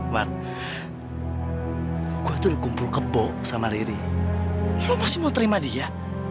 man gue tuh udah kumpul kebok sama riri lo masih mau terima dia